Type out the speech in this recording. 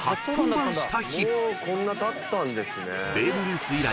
［ベーブ・ルース以来